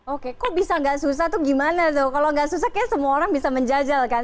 oke kok bisa tidak susah itu gimana tuh kalau tidak susah kayaknya semua orang bisa menjajalkan